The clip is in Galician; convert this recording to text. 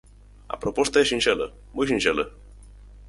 A proposta é sinxela, moi sinxela.